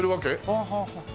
はあはあはあ。